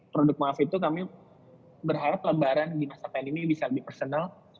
produk maaf itu kami berharap lebaran di masa pandemi bisa lebih personal